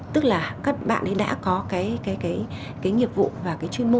tức là các bạn đã có cái nghiệp vụ và cái chuyên nghiệp